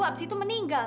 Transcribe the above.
abis itu meninggal